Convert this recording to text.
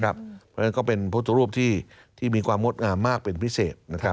เพราะฉะนั้นก็เป็นพุทธรูปที่มีความงดงามมากเป็นพิเศษ